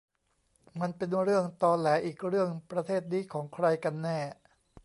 มันเป็นเรื่องตอแหลอีกเรื่อง ประเทศนี้ของใครกันแน่ ?